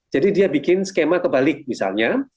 jadi dia bikin skema kebalik misalnya